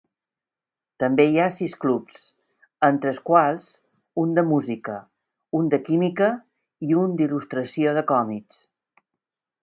També hi ha sis clubs, entre els quals un de música, un de química i un d'il·lustració de còmics.